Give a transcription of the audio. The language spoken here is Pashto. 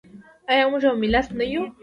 آیا موږ یو ملت نه یو؟